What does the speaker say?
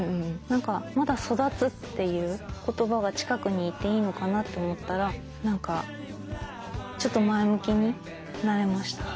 何かまだ「育つ」という言葉が近くにいていいのかなと思ったら何かちょっと前向きになれました。